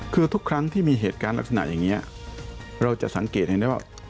คือทุกครั้งที่มีเหตุการณ์ลักษณะอย่างนี้เราจะสังเกตเห็นได้ว่า